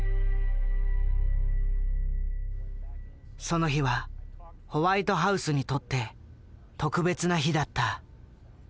その日はホワイトハウスにとって特別な日だった。